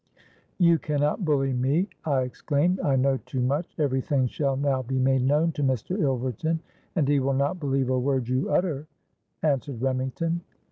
'—'You cannot bully me,' I exclaimed; 'I know too much! Every thing shall now be made known to Mr. Ilverton.'—'And he will not believe a word you utter,' answered Remington.